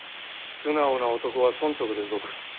素直な男は損得で動く。